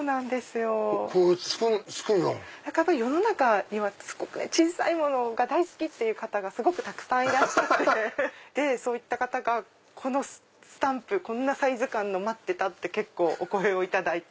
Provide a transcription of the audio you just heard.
これ作るの⁉世の中にはすごく小さいものが大好きって方がいらっしゃってそういった方がこのスタンプこんなサイズ感の待ってたって結構お声を頂いて。